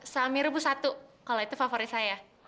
sami rebus satu kalau itu favorit saya